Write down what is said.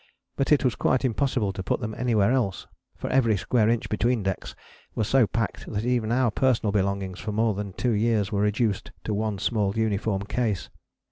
But it was quite impossible to put them anywhere else, for every square inch between decks was so packed that even our personal belongings for more than two years were reduced to one small uniform case.